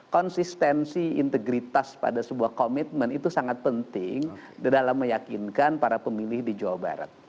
konsistensi integritas pada sebuah komitmen itu sangat penting dalam meyakinkan para pemilih di jawa barat